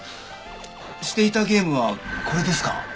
していたゲームはこれですか？